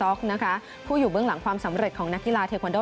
ของโคเชเชยองซ็อกนะคะผู้อยู่เบื้องหลังความสำเร็จของนักกีฬาเทควันโด